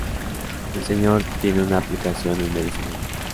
El Sr' tiene una aplicación en medicina.